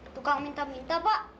tukang minta minta pak